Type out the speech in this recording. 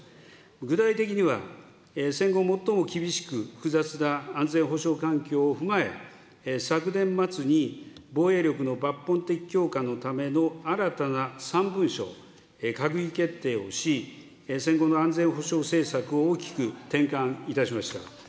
具体的には、戦後最も厳しく、複雑な安全保障環境を踏まえ、昨年末に防衛力の抜本的強化のための新たな３文書を閣議決定をし、戦後の安全保障政策を大きく転換いたしました。